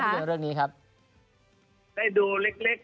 ขออนุญาตให้คนในชาติรักกัน